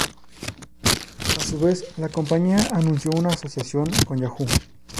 A su vez, la compañía anunció una asociación con Yahoo!